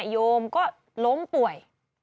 โยมก็ล้มป่วย